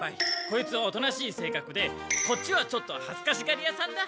こいつはおとなしい性格でこっちはちょっとはずかしがりやさんだ。